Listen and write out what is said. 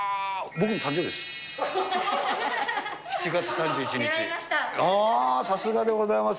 僕の誕生日です。